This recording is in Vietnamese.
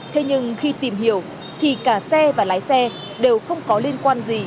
thế nhưng khi tìm hiểu thì cả xe và lái xe đều không có liên quan gì